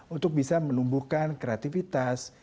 untuk bisa menumbuhkan kreativitas